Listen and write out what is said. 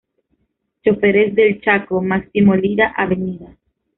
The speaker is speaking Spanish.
Choferes del Chaco, Máximo Lira, Av.